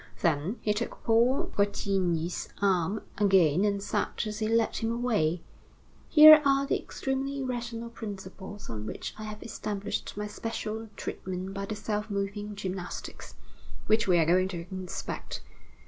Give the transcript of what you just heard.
Then, he took Paul Bretigny's arm again, and said as he led him away: "Here are the extremely rational principles on which I have established my special treatment by the self moving gymnastics, which we are going to inspect.